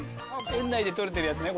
園内で採れてるやつね